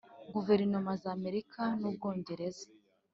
guverinoma za amerika n'ubwongereza